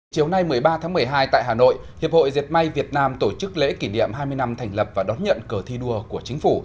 chiều nay một mươi ba tháng một mươi hai tại hà nội hiệp hội diệt may việt nam tổ chức lễ kỷ niệm hai mươi năm thành lập và đón nhận cờ thi đua của chính phủ